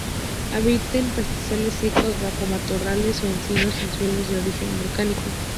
Habita en pastizales secos, bajo matorrales o encinos, en suelos de origen volcánico.